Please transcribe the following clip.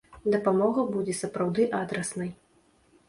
Дапамога будзе сапраўды адраснай.